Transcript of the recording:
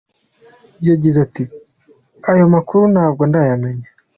Yagize ati "Ayo makuru ntabwo ndayamenya.